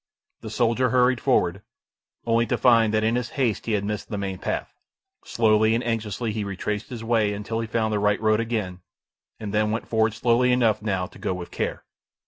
The soldier hurried forward, only to find that in his haste he had missed the main path. Slowly and anxiously he retraced his way until he found the right road again, and then went forward slowly enough now to go with care.